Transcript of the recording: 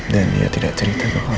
dan ia tidak terita ke kamu